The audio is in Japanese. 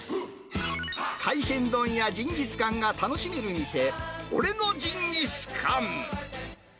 海鮮丼やジンギスカンが楽しめる店、俺のジンギスカン。